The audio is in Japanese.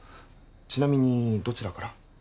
ちなみにどちらから？